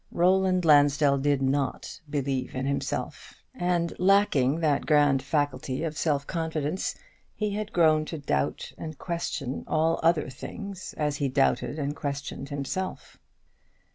Roland Lansdell did not believe in himself; and lacking that grand faculty of self confidence, he had grown to doubt and question all other things, as he doubted and questioned himself.